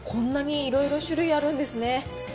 こんなにいろいろ種類あるんですね。